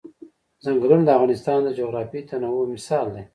ځنګلونه د افغانستان د جغرافیوي تنوع مثال دی.